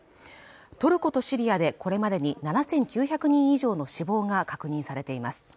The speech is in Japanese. トルコとシリアでこれまでに７９００人以上の死亡が確認されています